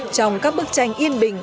trong các bức tranh yên bình